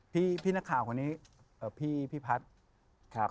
พี่นักข่าวคนนี้พี่พัฒน์ครับ